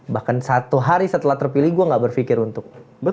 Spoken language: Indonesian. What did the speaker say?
bahkan satu hari setelah terpilih gue gak berpikir untuk